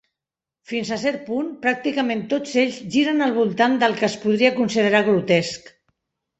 Fins a cert punt, pràcticament tots ells giren al voltant del que es podria considerar grotesc.